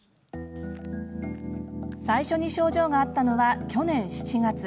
最初に症状があったのは去年７月。